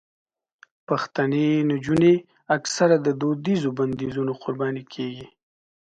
پښتنې نجونې اکثره د دودیزو بندیزونو قرباني کېږي.